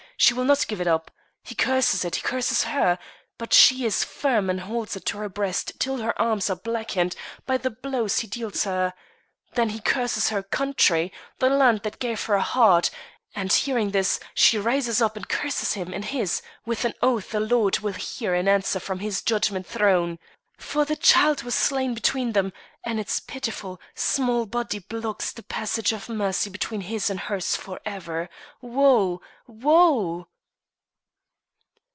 She will not give it up. He curses it; he curses her, but she is firm and holds it to her breast till her arms are blackened by the blows he deals her. Then he curses her country, the land that gave her a heart; and, hearing this, she rises up and curses him and his with an oath the Lord will hear and answer from His judgment throne. For the child was slain between them and its pitiful, small body blocks the passage of Mercy between his and hers forever. Woe! woe!"